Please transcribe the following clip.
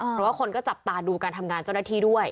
เพราะว่าคนก็จับตาดูการทำงานเจ้าหน้าที่ด้วย